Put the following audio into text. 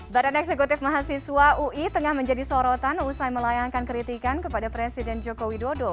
badan eksekutif mahasiswa ui tengah menjadi sorotan usai melayangkan kritikan kepada presiden joko widodo